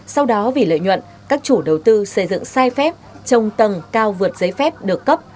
sau đó vì lợi nhuận các chủ đầu tư xây dựng sai phép trông tầng cao vượt giấy phép được cấp